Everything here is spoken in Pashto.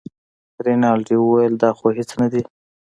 رینالډي وویل دا خو هېڅ نه دي.